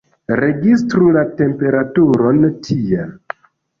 Registru la temperaturon tiel.